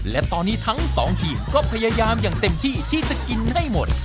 และตอนนี้ทั้งสองทีมก็พยายามอย่างเต็มที่ที่จะกินให้หมด